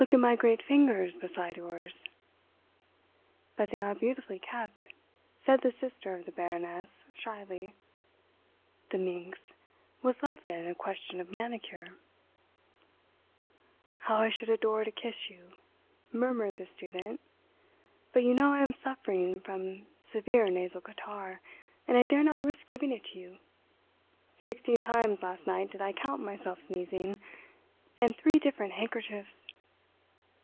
"Look at my great fingers beside yours." "But they are beautifully kept," said the sister of the Baroness shyly. The minx! Was love then a question of manicure? "How I should adore to kiss you," murmured the student. "But you know I am suffering from severe nasal catarrh, and I dare not risk giving it to you. Sixteen times last night did I count myself sneezing. And three different handkerchiefs."